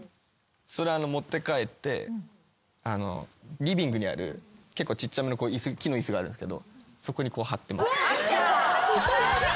それ持って帰ってリビングにある結構ちっちゃめの木の椅子があるんすけどそこに張ってます。